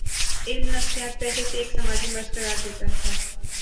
علم نفسیات پہلے اسے ایک سماجی مرض قرار دیتا تھا۔